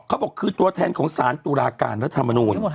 เขาบอกคือตัวแทนของสารตุลาการรัฐมนูล